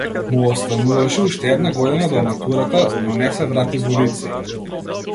Му остануваше уште една година до матурата, но не се врати во лицејот.